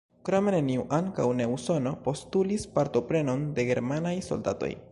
Krome neniu, ankaŭ ne Usono, postulis partoprenon de germanaj soldatoj.